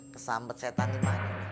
kesambet saya tanggung banyak